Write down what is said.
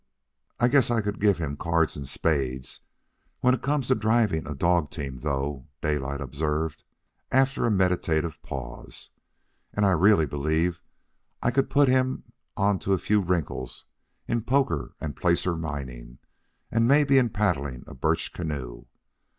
"I guess I could give him cards and spades when it comes to driving a dog team, though," Daylight observed, after a meditative pause. "And I really believe I could put him on to a few wrinkles in poker and placer mining, and maybe in paddling a birch canoe.